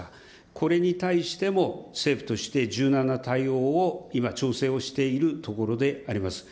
これに対しても政府として柔軟な対応を今調整をしているところであります。